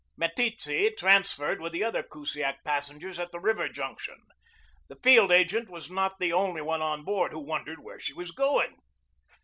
Meteetse transferred with the other Kusiak passengers at the river junction. The field agent was not the only one on board who wondered where she was going.